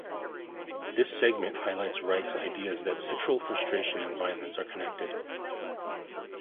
This segment highlights Reich's ideas that sexual frustration and violence are connected.